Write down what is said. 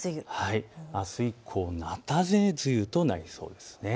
あす以降、菜種梅雨となりそうです。